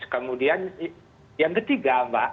kemudian yang ketiga mbak